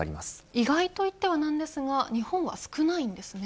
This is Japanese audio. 意外と言ってはなんですが日本は少ないんですね。